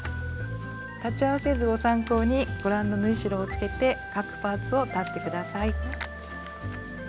裁ち合わせ図を参考にご覧の縫い代をつけて各パーツを裁って下さい。